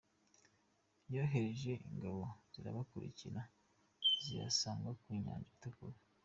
Yohereje ingabo zirabakurikira, zibasanga ku Nyanja itukura.